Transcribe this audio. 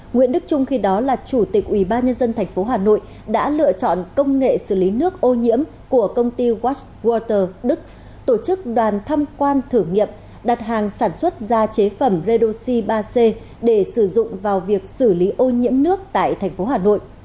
nguyễn đức trung khi đó là chủ tịch ủy ban nhân dân thành phố hà nội đã lựa chọn công nghệ xử lý nước ô nhiễm của công ty washwater đức tổ chức đoàn thăm quan thử nghiệm đặt hàng sản xuất gia chế phẩm redoxy ba c để sử dụng vào việc xử lý ô nhiễm nước tại thành phố hà nội